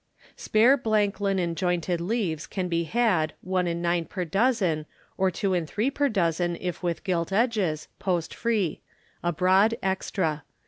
Spare blank linen jointed leaves can be had, 1/9 per dozen, or 2/3 per dozen if with gilt edges, post free; abroad extra.